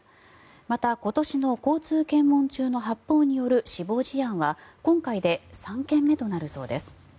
また、今年の交通検問中の発砲による死亡事案は今回で３件目となるそうです。